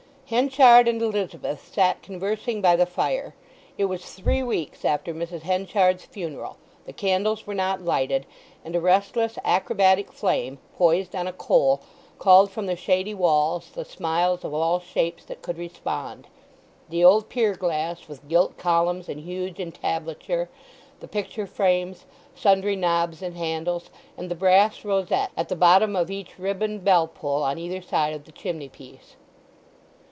Henchard and Elizabeth sat conversing by the fire. It was three weeks after Mrs. Henchard's funeral, the candles were not lighted, and a restless, acrobatic flame, poised on a coal, called from the shady walls the smiles of all shapes that could respond—the old pier glass, with gilt columns and huge entablature, the picture frames, sundry knobs and handles, and the brass rosette at the bottom of each riband bell pull on either side of the chimney piece.